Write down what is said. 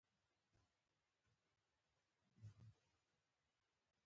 په دې دفاع کې خپله توره وښیيم.